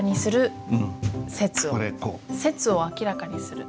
「説を明らかにする」。